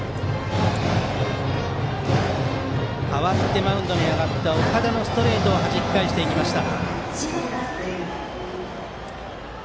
代わってマウンドに上がった岡田のストレートをはじき返していきました。